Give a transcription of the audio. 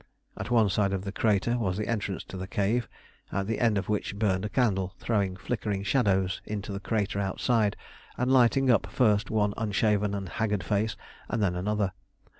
At one side of the crater was the entrance to the cave, at the end of which burned a candle, throwing flickering shadows into the crater outside, and lighting up first one unshaven and haggard face and then another.